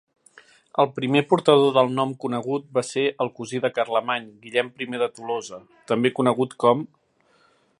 El primer portador del nom conegut va ser el cosí de Carlemany, Guillem I de Tolosa, també conegut com